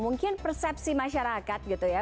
mungkin persepsi masyarakat gitu ya